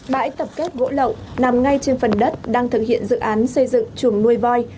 bãi tập kết gỗ lậu nằm ngay trên phần đất đang thực hiện dự án xây dựng chùm nuôi voi